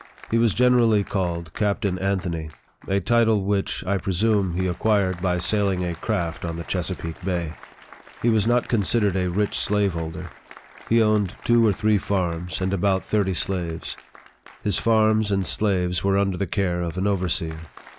He was generally called Captain Anthony a title which, I presume, he acquired by sailing a craft on the Chesapeake Bay. He was not considered a rich slave holder. He owned two or three farms, and about thirty slaves. His farms and slaves were under the care of an overseer.